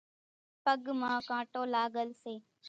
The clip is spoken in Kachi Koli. پڳ مان ڪانٽو لاڳل سي۔